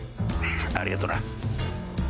ありがとな。